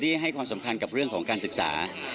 ให้ความสำคัญกับเรื่องของการศึกษา